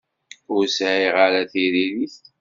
Ur sɛiɣ ara tiririt.